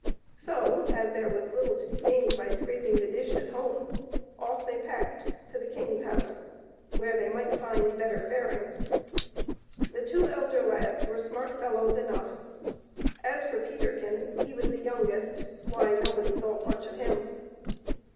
So, as lljjf ^ lA^^^ there was little to be gained by scraping the dish at lyta^^ ift^k] home, off they packed to the king's house, where ^^^ 3 HWBy they might find better faring. The two elder lads ^" were smart fellows enough; as for Peterkin, he was the youngest — why, nobody thought much of him.